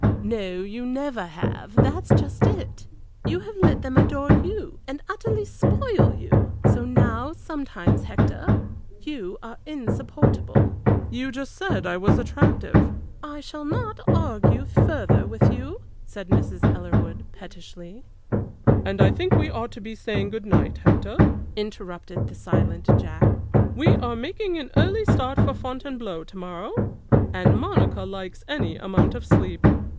"No, you never have, that is just it. You have let them adore you, and utterly spoil you; so now sometimes, Hector, you are insupportable." "You just said I was attractive." "I shall not argue further with you," said Mrs. Ellerwood, pettishly. "And I think we ought to be saying good night, Hector," interrupted the silent Jack. "We are making an early start for Fontainebleau to morrow, and Monica likes any amount of sleep."